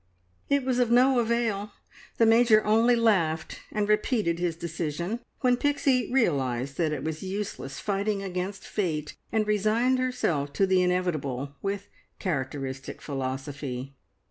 It was of no avail. The Major only laughed and repeated his decision, when Pixie realised that it was useless fighting against fate, and resigned herself to the inevitable with characteristic philosophy.